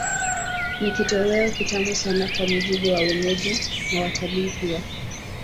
Ni kitoweo kitamu sana kwa mujibu wa wenyeji na watalii pia